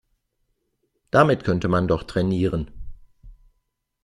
Damit könnte man doch trainieren.